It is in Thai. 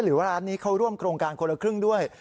หรือว่าร้านนี้เขาร่วมโครงการคนละครึ่งด้วย